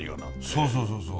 そうそうそうそう。